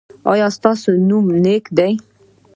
ایا ستاسو نوم نیک دی؟